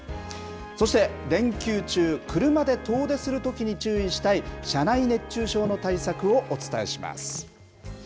そして連休中、車で遠出するときに注意したい車内熱中症の対策をお伝えします。